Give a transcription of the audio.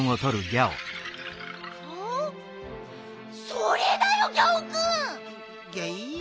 それだよギャオくん！ギャイ？